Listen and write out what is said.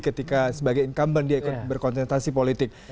ketika sebagai incumbent dia berkonsentrasi politik